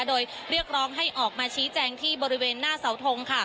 โดยเรียกร้องให้ออกมาชี้แจงที่บริเวณหน้าเสาทงค่ะ